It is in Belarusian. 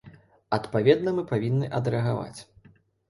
Адпаведна мы павінны адрэагаваць.